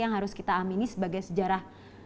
yang harus kita amini sebagai sejarah